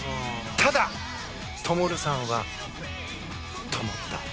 ただ、灯さんはともった。